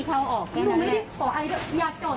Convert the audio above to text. จะไม่เคลียร์กันได้ง่ายนะครับ